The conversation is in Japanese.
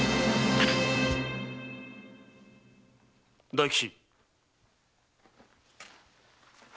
大吉。